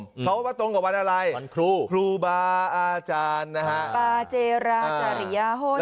เพราะว่าตรงกับวันอะไรวันครูครูบาอาจารย์นะฮะบาเจราจาริยาหน